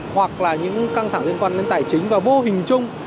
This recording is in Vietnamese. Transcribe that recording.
hoặc là những căng thẳng liên quan đến tài chính và vô hình chung